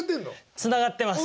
つながってます！